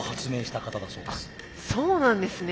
そうなんですね。